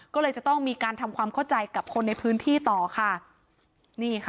ก็เลยจะต้องมีการทำความเข้าใจกับคนในพื้นที่ต่อค่ะนี่ค่ะ